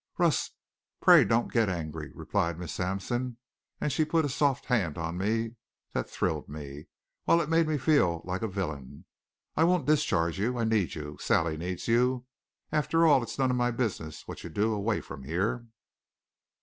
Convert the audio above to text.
"Russ, pray don't get angry," replied Miss Sampson and she put a soft hand on me that thrilled me, while it made me feel like a villain. "I won't discharge you. I need you. Sally needs you. After all, it's none of my business what you do away from here.